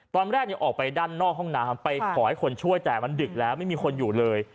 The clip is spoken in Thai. ตอนแรกออกไปด้านนอกห้องน้ำไปขอให้คนช่วยแต่มันดึกแล้วไม่มีคนอยู่เลย